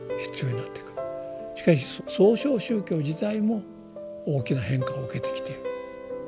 しかし創唱宗教自体も大きな変化を受けてきている。